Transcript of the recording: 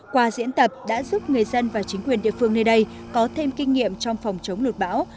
qua diễn tập đã giúp người dân và chính quyền địa phương nơi đây có thêm kinh nghiệm trong phòng chống lụt bão